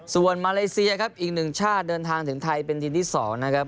ส่วนมาเลเซียครับอีกหนึ่งชาติเดินทางถึงไทยเป็นทีมที่๒นะครับ